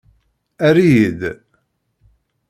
Err-iyi-d.